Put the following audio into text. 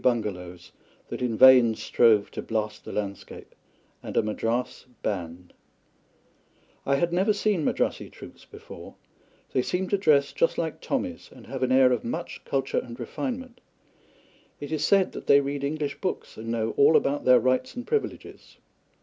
bungalows that in vain strove to blast the landscape, and a Madras band. I had never seen Madrassi troops before. They seem to dress just like Tommies, and have an air of much culture and refinement. It is said that they read English books and know all about their rights and privileges.